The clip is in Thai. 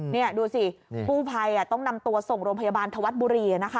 นี่ดูสิกู้ภัยต้องนำตัวส่งโรงพยาบาลธวัฒน์บุรี